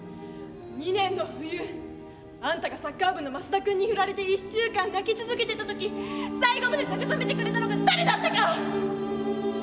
２年の冬あんたがサッカー部のマスダ君に振られて１週間泣き続けてた時最後まで慰めてくれたのが誰だったか！